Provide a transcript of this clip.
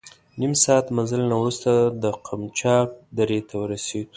نیم ساعت مزل نه وروسته د قمچاق درې ته ورسېدو.